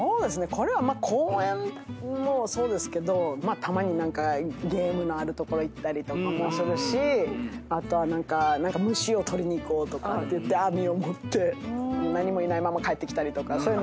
これはまあ公園もそうですけどたまに何かゲームのある所行ったりとかもするしあとは虫を捕りに行こうとかっていって網を持って何もいないまま帰ってきたりとかそういうの。